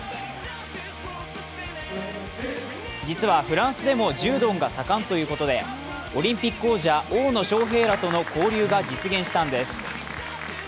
実はフランスでも柔道が盛んということでオリンピック王者、大野将平らとの交流が実現したんです。